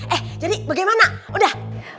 eh jadi bagaimana udah